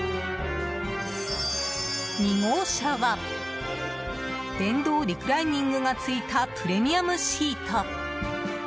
２号車は電動リクライニングが付いたプレミアムシート。